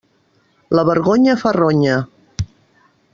La vergonya fa ronya.